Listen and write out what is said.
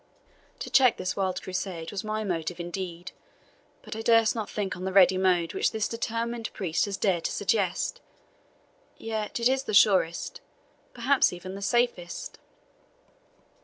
To check this wild Crusade was my motive, indeed, but I durst not think on the ready mode which this determined priest has dared to suggest. Yet it is the surest perhaps even the safest."